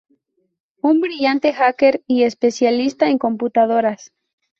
Un brillante Hacker y especialista en computadoras.